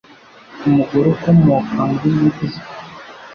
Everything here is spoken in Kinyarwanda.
umugore ukomoka muri Mexico